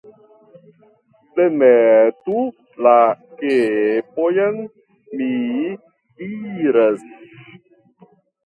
Demetu la kepon, mi diras.